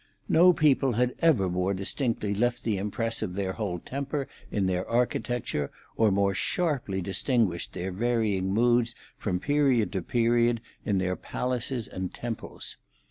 No people had ever more distinctly left the impress of their whole temper in their architecture, or more sharply distinguished their varying moods from period to period in their palaces and temples.